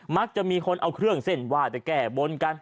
มักจะมีคนเอาเครื่องเส้นไหว้ไปแก้บนกัน